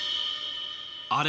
あれ？